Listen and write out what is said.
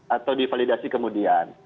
atau divalidasi kemudian